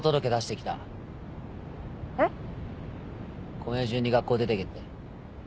今夜中に学校出てけって